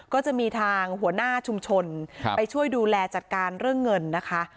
ก็จะมีทางหัวหน้าชุมชนไปช่วยดูแลจัดการเรื่องเงินนะคะ